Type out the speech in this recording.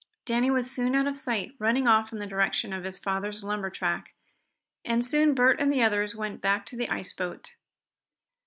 Danny was soon out of sight, running off in the direction of his father's lumber tract, and soon Bert and the others went back to the ice boat.